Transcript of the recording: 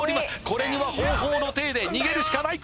これにはほうほうの体で逃げるしかない